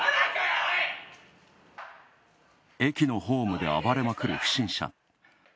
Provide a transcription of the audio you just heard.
駅のホームで暴れまくる不審者。